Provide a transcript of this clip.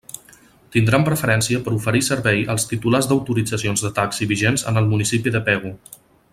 Tindran preferència per a oferir servei els titulars d'autoritzacions de taxi vigents en el municipi de Pego.